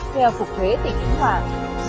theo phục huế tỉnh vĩnh hoàng